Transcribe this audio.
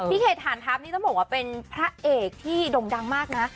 เขตฐานทัพนี่ต้องบอกว่าเป็นพระเอกที่ด่งดังมากนะ